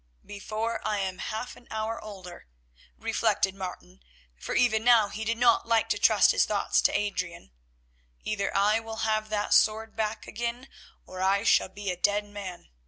"Before I am half an hour older," reflected Martin, for even now he did not like to trust his thoughts to Adrian, "either I will have that sword back again, or I shall be a dead man.